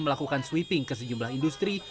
melakukan sweeping ke sejumlah industri